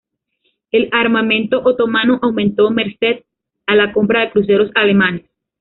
El armamento otomano aumentó merced a la compra de cruceros alemanes.